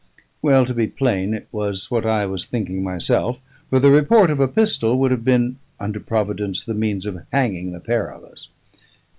Well, to be plain, it was what I was thinking myself; for the report of a pistol would have been, under Providence, the means of hanging the pair of us.